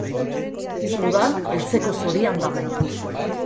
Uda heltzeko zorian dago!